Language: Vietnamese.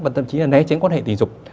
và thậm chí là né tránh quan hệ tình dục